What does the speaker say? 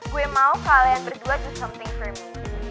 gue mau kalian berdua do something for me